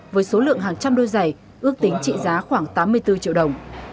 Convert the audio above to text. với số lượng hàng trăm đôi giày ước tính trị giá khoảng tám mươi bốn triệu đồng